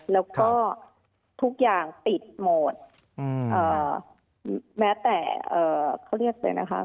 แล้วก็ทุกอย่างปิดหมดแม้แต่เขาเรียกเลยนะคะ